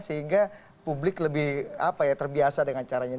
sehingga publik lebih terbiasa dengan caranya